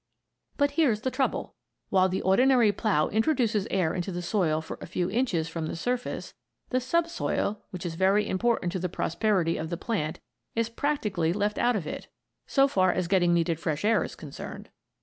But here's the trouble: While the ordinary plough introduces air into the soil for a few inches from the surface, the subsoil, which is very important to the prosperity of the plant, is practically left out of it, so far as getting needed fresh air is concerned.